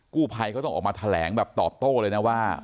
กู้ภัยเขาต้องออกมาแถลงแบบตอบโต้เลยนะว่า